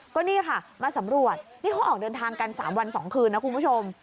ก็นี่ค่ะมาสำรวจนี่เขาออกเดินทางกัน๓วัน๒คืนนะคุณผู้ชม